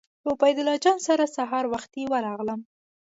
له عبیدالله جان سره سهار وختي ورغلم.